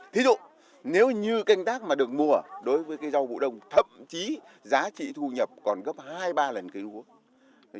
thí dụ nếu như canh tác mà được mua đối với cái rau vụ đông thậm chí giá trị thu nhập còn gấp hai ba lần kỷ lục